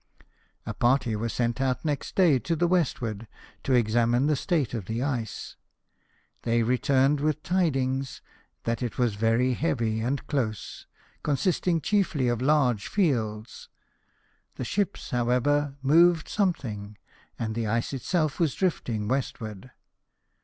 A party was sent out next day to the westward, to examine the state of the ice ; they returned with tid ings that it was very heavy and close, consisting chiefly of large fields. The ships, however, moved something, and the ice itself was drifting westward.